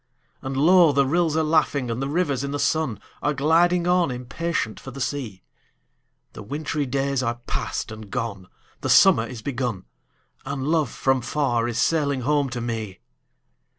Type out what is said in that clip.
And low the rills are laughing, and the rivers in the sun Are gliding on, impatient for the sea; The wintry days are past and gone, the summer is begun, And love from far is sailing home to me!